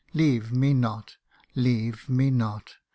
Leave me not ! leave me not